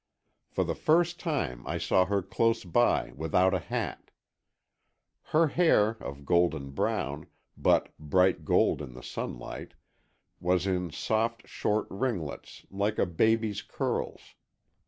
For the first time I saw her close by without a hat. Her hair, of golden brown, but bright gold in the sunlight, was in soft short ringlets like a baby's curls.